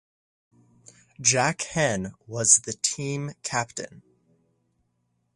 Jack Henn was the team captain.